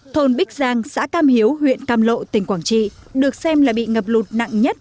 thôn bích giang xã cam hiếu huyện cam lộ tỉnh quảng trị được xem là bị ngập lụt nặng nhất